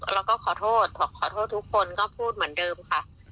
แล้วก็ขอโทษบอกขอโทษทุกคนก็พูดเหมือนเดิมค่ะ